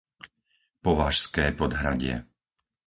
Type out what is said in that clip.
Považské Podhradie